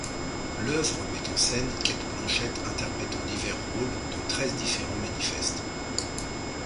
L'œuvre met en scène Cate Blanchett interprétant divers rôles dans treize différents manifestes.